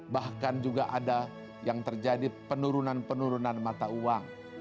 bahkan juga ada yang terjadi penurunan penurunan mata uang